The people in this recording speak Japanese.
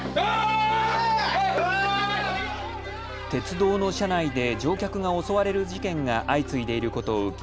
鉄道の車内で乗客が襲われる事件が相次いでいることを受け